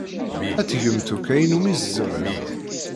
Ad tgemt akk ayen umi tzemremt.